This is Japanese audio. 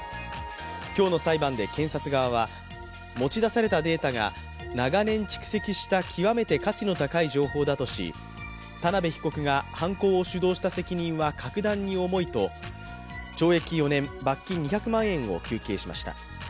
今日の裁判で検察側は持ち出されたデータが長年蓄積した極めて価値の高い情報だとし、田辺被告が犯行を主導した責任は格段に重いと、懲役４年、罰金２００万円を求刑しました。